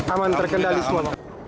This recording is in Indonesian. aman terkendali semua